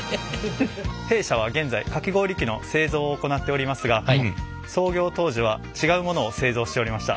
弊社は現在かき氷機の製造を行っておりますが創業当時はちがうものを製造しておりました。